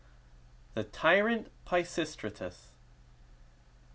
THE TYRANT PISISTRATUS.